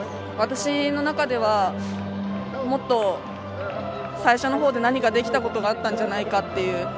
私の中では、もっと最初のほうで何かできたことがあったんじゃないかっていう。